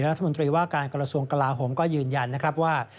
รัฐมนตรีว่าการกระทรวงกลาโหมก็ยืนยันนะครับว่า